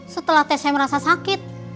setelah teh saya merasa sakit